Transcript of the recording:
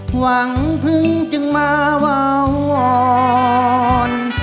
หวังพึ่งจึงมาวาวอน